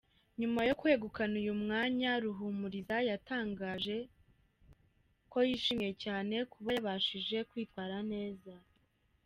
Nyuma yo kwegukana uyu mwanya, Ruhumuriza yatanganje ko yishimye cyane kuba yabashije kwitwara neza.